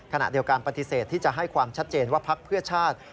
ขณะเดียวกันปฏิเสธที่จะให้ความชัดเจนว่าพักเพื่อชาติ